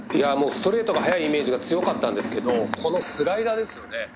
ストレートが速いイメージが強かったんですけどこのスライダーですよね。